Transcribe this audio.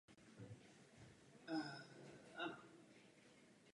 Po nějakou dobu bylo studium zkráceno na čtyři roky.